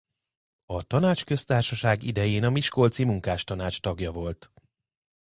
A Tanácsköztársaság idején a miskolci munkástanács tagja volt.